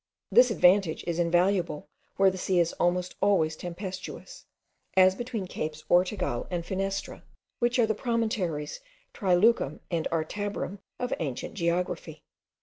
This advantage is invaluable where the sea is almost always tempestuous, as between capes Ortegal and Finisterre, which are the promontories Trileucum and Artabrum of ancient geography.